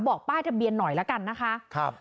บอกป้ายทะเบียนหน่อยละกันนะคะ